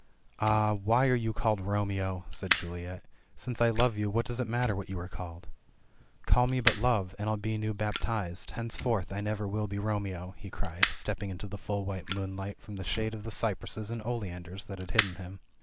"Ah — why are you called Romeo?" said Juliet. "Since I love you, what does it matter what you are called ?" *'CaII me but love, and Til be new bc.ptised — henceforth I never will be Romeo," he cried, stepping into the full white moonlight ROMEO AND JULIET. 9 from the shade of the cypresses and oleanders that had hidden him.